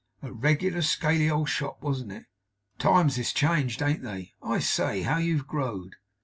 A reg'lar scaly old shop, warn't it? Times is changed ain't they. I say how you've growed!